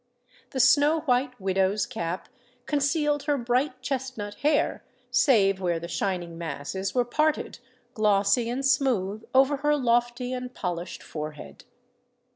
The snow white widow's cap concealed her bright chesnut hair, save where the shining masses were parted, glossy and smooth, over her lofty and polished forehead.